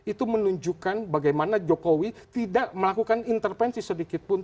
itu menunjukkan bagaimana jokowi tidak melakukan intervensi sedikitpun